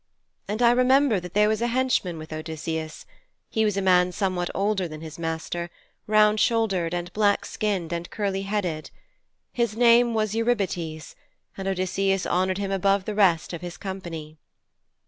And I remember that there was a henchman with Odysseus he was a man somewhat older than his master, round shouldered and black skinned and curly headed. His name was Eurybates, and Odysseus honoured him above the rest of his company.'